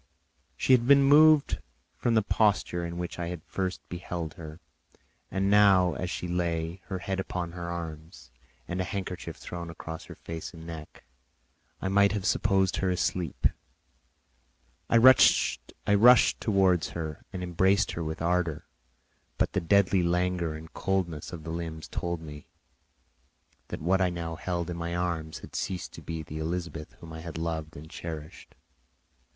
She had been moved from the posture in which I had first beheld her, and now, as she lay, her head upon her arm and a handkerchief thrown across her face and neck, I might have supposed her asleep. I rushed towards her and embraced her with ardour, but the deadly languor and coldness of the limbs told me that what I now held in my arms had ceased to be the Elizabeth whom I had loved and cherished.